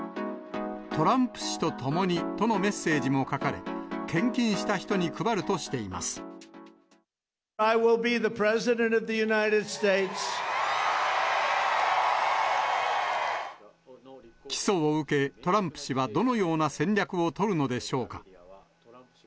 トランプ氏と共にとのメッセージも書かれ、献金した人に配るとし起訴を受け、トランプ氏はどのような戦略を取るのでしょうか。